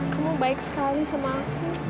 kamu baik sekali sama aku